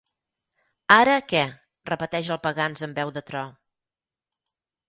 Ara, què? —repeteix el Pagans amb veu de tro.